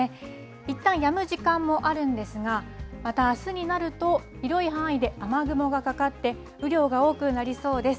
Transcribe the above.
いったんやむ時間もあるんですがまたあすになると広い範囲で雨雲がかかって雨量が多くなりそうです。